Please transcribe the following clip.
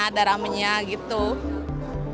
ada yang berpengaruh ada yang berpengaruh